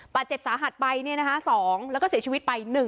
ปัจจิตสาหัดไป๒แล้วก็เสียชีวิตไป๑